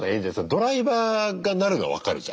ドライバーがなるのは分かるじゃん。